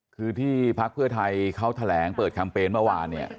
คือที่พักเพื่อไทยเขาแถลงเปิดแคมเปญเมื่อวานเนี่ย